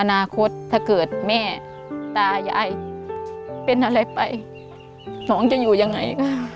อนาคตถ้าเกิดแม่ตายายเป็นอะไรไปน้องจะอยู่ยังไง